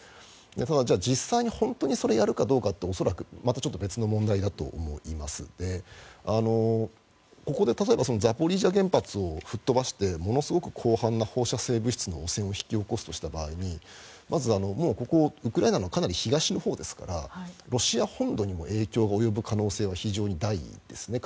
ただ、実際に本当にそれをやるかどうかって恐らく、またちょっと別の問題だと思いますのでここでザポリージャ原発を吹っ飛ばしてものすごく広範な放射性物質の汚染を引き起こすとした場合にまず、ここはウクライナの東のほうですからロシア本土にも影響が及ぶ可能性は非常に大ですね。